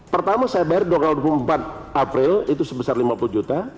pertama saya bayar dua puluh empat april itu sebesar lima puluh juta